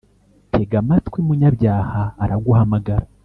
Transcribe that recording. Tega amatwi munyabyaha araguhamagara